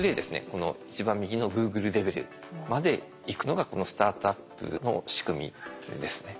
この一番右のＧｏｏｇｌｅレベルまでいくのがこのスタートアップの仕組みですね。